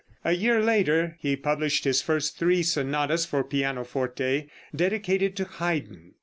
A year later he published his first three sonatas for pianoforte, dedicated to Haydn.